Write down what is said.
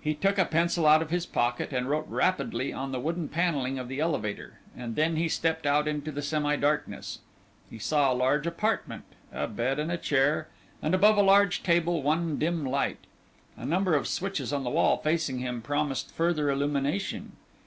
He took a pencil out of his pocket and wrote rapidly on the wooden panelling of the elevator, and then he stepped out into the semi darkness. He saw a large apartment, a bed and chair, and above a large table one dim light. A number of switches on the wall facing him promised further illumination.